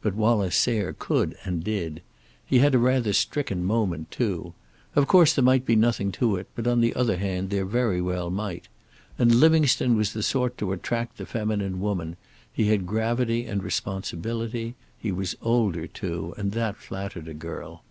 But Wallace Sayre could and did. He had rather a stricken moment, too. Of course, there might be nothing to it; but on the other hand, there very well might. And Livingstone was the sort to attract the feminine woman; he had gravity and responsibility. He was older too, and that flattered a girl.